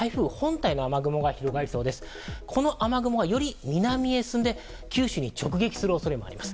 この雨雲が、より南へ進んで九州へ直撃する恐れがあります。